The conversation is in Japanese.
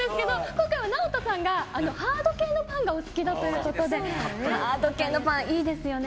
今回はＮＡＯＴＯさんがハード系のパンがお好きということでハード系パン、いいですよね。